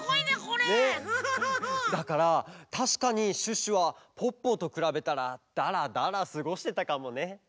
だからたしかにシュッシュはポッポとくらべたらダラダラすごしてたかもね。